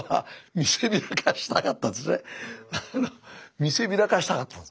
見せびらかしたかったんです。